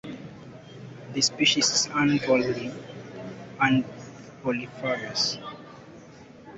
This species is univoltine and polyphagous.